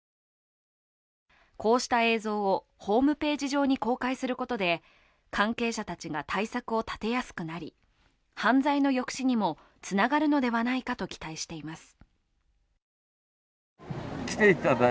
こうした映像をホームページ上に公開することで関係者たちが対策を立てやすくなり、犯罪の抑止にもつながるのではないかと期待しています。